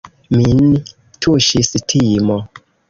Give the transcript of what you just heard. Min tuŝis timo.